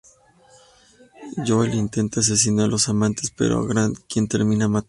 Joey intenta asesinar a los amantes, pero es Grant quien termina matándolo.